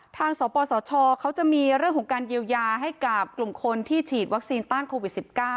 สปสชเขาจะมีเรื่องของการเยียวยาให้กับกลุ่มคนที่ฉีดวัคซีนต้านโควิด๑๙